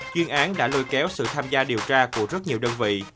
chuyên án đã lôi kéo sự tham gia điều tra của rất nhiều đơn vị